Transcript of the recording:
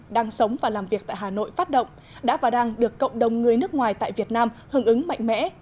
đang sống và làm việc tại hà nội phát động đã và đang được cộng đồng người nước ngoài tại việt nam hứng ứng mạnh mẽ